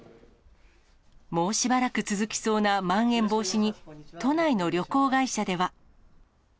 もうしばらく続きそうなまん延防止に、都内の旅行会社では。